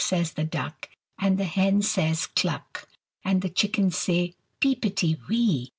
says the duck, And the hen says "Cluck!" And the chickens say, "Peepity wee!"